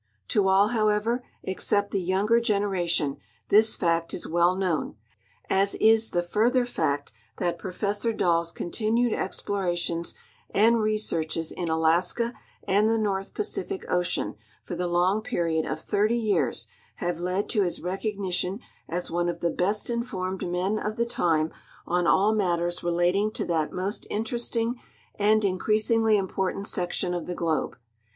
To all, however, except the younger generation, this fact is well known, as is the further fact that Professor Dali's continued exjilorations and researches in Alaska and the North Pacific ocean for the long period of 80 years have led to his recognition as one of the best informed men of the time on all matters relating to that most interesting and increasingly important section of the globe.